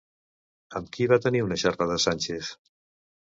Amb qui va tenir una xerrada Sánchez?